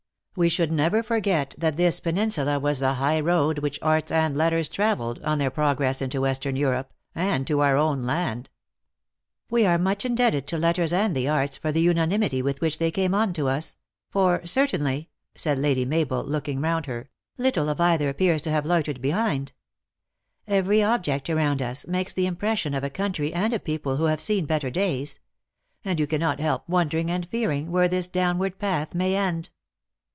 We should never forget that this penin sula was the high road which arts and letters traveled on their progress into Western Europe, arid to our own land." " We are much indebted to letters and the arts for the unanimity with which they came on to us; for certainly," said Lady Mabel, looking round her, " little of either appears to have loitered behind. Every object around us makes the impression of a country and a people who have seen better days ; and you cannot help wondering and fearing where this down ward path may end."